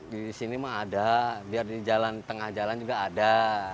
di sini mah ada biar di jalan tengah jalan juga ada